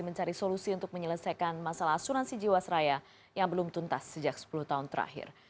berita terkini mengenai masalah asuransi jiwasraya yang belum tuntas sejak sepuluh tahun terakhir